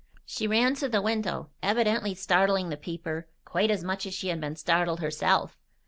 She ran to the window, evidently startling the peeper quite as much as she had been startled herself.